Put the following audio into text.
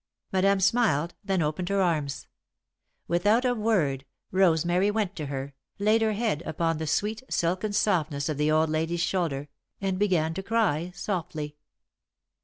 Madame smiled, then opened her arms. Without a word, Rosemary went to her, laid her head upon the sweet, silken softness of the old lady's shoulder, and began to cry softly.